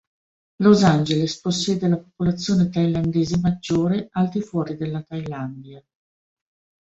Los Angeles possiede la popolazione thailandese maggiore al di fuori della Thailandia.